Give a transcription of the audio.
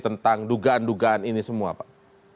tentang dugaan dugaan ini semua pak